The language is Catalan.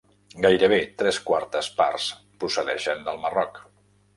Gairebé tres quartes parts procedeixen del Marroc.